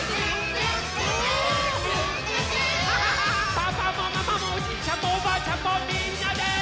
パパもママもおじいちゃんもおばあちゃんもみんなで！